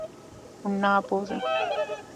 Hûn naborin.